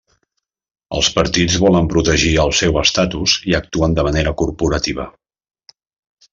Els partits volen protegir el seu estatus i actuen de manera corporativa.